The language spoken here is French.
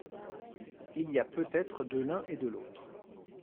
Il y a peut-être de l’un et de l’autre.